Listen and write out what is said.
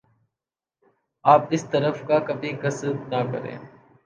آپ اس طرف کا کبھی قصد نہ کریں